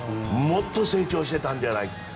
もっと成長してたんじゃないか。